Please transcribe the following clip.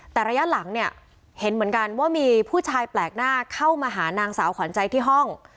แต่ระยะหลังเนี่ยเห็นเหมือนกันว่ามีผู้ชายแปลกหน้าเข้ามาหานางสาวขวัญใจที่ห้อง